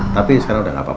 tapi sekarang udah gapapa